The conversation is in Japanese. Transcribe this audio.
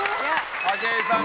武井さん